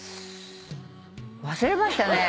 忘れましたね。